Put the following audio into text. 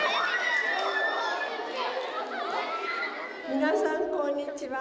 皆さんこんにちは。